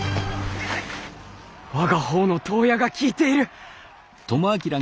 我が方の遠矢が効いている！